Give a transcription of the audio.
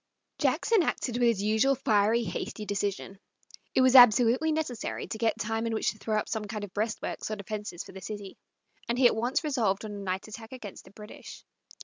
Jackson acted with his usual fiery, hasty decision. It was absolutely necessary to get time in which to throw up some kind of breastworks or defenses for the city, and he at once resolved on a night attack against the British.